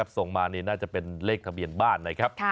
ส่งมานี่น่าจะเป็นเลขทะเบียนบ้านนะครับ